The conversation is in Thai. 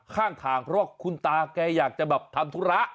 ข้างทางเพราะว่าคุณตาแกอยากจะแบบทำธุระ